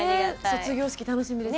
卒業式楽しみですね。